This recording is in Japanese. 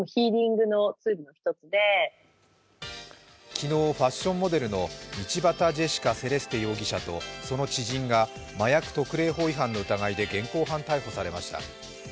昨日、ファッションモデルの道端・ジェシカ・セレステ容疑者とその知人が麻薬特例法違反の疑いで現行犯逮捕されました。